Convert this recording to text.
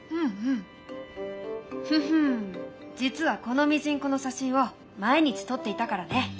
実はこのミジンコの写真を毎日撮っていたからね。